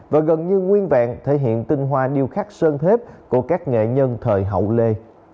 và gần như nguyên vẹn thể hiện tinh hoa điêu khắc sơn thếp của các nghệ nhân thời hậu lê